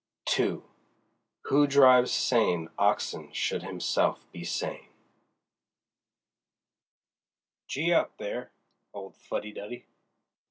II WHO DRIVES SANE OXEN SHOULD HIMSELF BE SANE "Gee up, there, old Fuddy Duddy!"